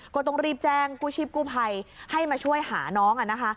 ก็ต้องรีบแจ้งกู้ชีพกู้ภัยให้มาช่วยหาน้อง